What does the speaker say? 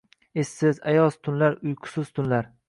Esiz, ayoz tunlar, uyqusiz tunlar!..